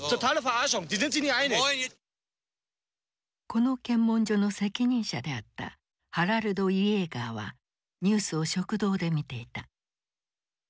この検問所の責任者であったハラルド・イエーガーはニュースを食堂で見ていた。